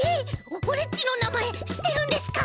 オレっちのなまえしってるんですか！？